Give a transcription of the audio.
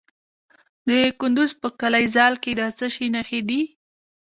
د کندز په قلعه ذال کې د څه شي نښې دي؟